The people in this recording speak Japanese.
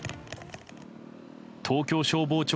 東京消防庁